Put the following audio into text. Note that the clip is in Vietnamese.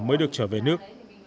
mới được trở về nước